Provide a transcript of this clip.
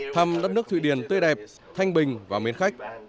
thăm đất nước thụy điển tươi đẹp thanh bình và mến khách